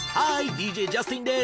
ＤＪジャスティンです。